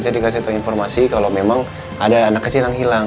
saya dikasih tahu informasi kalau memang ada anak kecil yang hilang